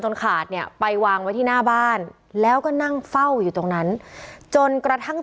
ขาดเนี่ยไปวางไว้ที่หน้าบ้านแล้วก็นั่งเฝ้าอยู่ตรงนั้นจนกระทั่ง